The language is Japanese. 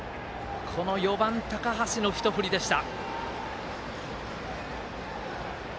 この４番、高橋のひと振りでした。